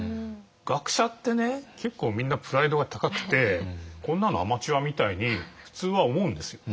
学者ってね結構みんなプライドが高くてこんなのアマチュアみたいに普通は思うんですよ。